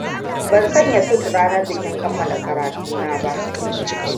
Ban sanya sut ranar bikin kammala karatuna ba.